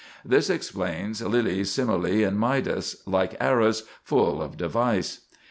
This explains Lyly's simile in "Midas"—"like arras, full of device."